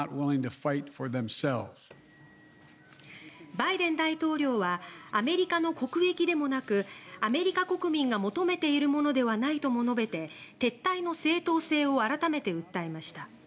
バイデン大統領はアメリカの国益でもなくアメリカ国民が求めているものではないとも述べて撤退の正当性を改めて訴えました。